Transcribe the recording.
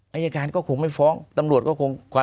อายการก็คงไม่ฟ้องตำรวจก็คงความ